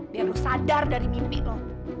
biar lo sadar dari mimpi lo